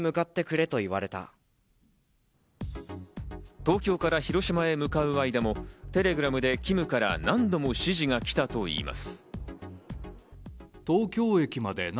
東京から広島へ向かう間も、テレグラムでＫＩＭから何度も指示が来たといいます。